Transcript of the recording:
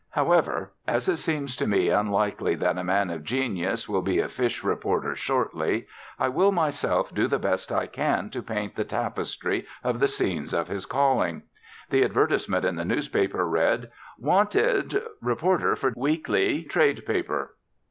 However, as it seems to me unlikely that a man of genius will be a fish reporter shortly I will myself do the best I can to paint the tapestry of the scenes of his calling. The advertisement in the newspaper read: "Wanted Reporter for weekly trade paper."